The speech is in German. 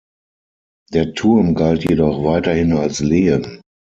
Der Turm galt jedoch weiterhin als Lehen.